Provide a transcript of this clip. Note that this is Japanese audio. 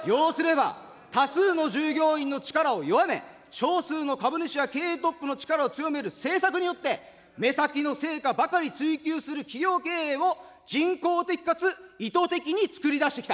多数の従業員の力を弱め、少数の株主や経営トップの力を強める政策によって、目先の成果ばかり追求する企業経営を人工的かつ意図的につくりだしてきた。